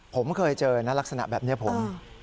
ผมเคยเจอนะลักษณะแบบนี้ผม